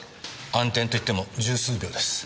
暗転といっても十数秒です。